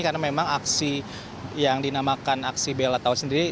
karena memang aksi yang dinamakan aksi belatau sendiri